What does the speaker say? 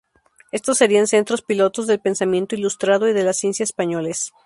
Estos serían centros pilotos del pensamiento ilustrado y de la ciencia españoles.